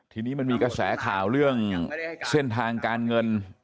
ทีนี้มันมีกระแสข่าวเรื่องเส้นทางการเงิน